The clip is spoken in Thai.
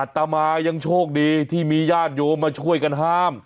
ตามายังโชคดีที่มีญาติโยมมาช่วยกันห้าม